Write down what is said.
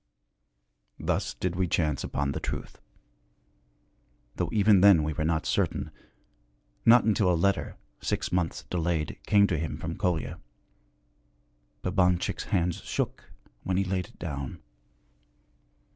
Thus did we chance upon the truth. Though even then we were not certain not until a letter, six months delayed, came to him from Kolya. Babanchik's hands shook when he laid it down.